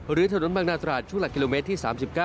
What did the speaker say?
หรือถนนบางนาตราดช่วงหลักกิโลเมตรที่๓๙